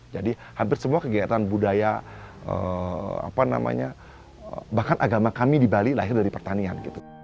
jadi hampir semua kegiatan budaya bahkan agama kami di bali lahir dari pertanian